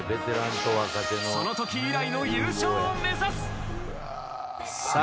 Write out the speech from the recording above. その時以来の優勝を目指す！